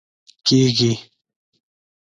کیږي